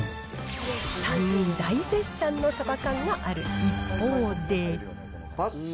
３人大絶賛のサバ缶がある一方で。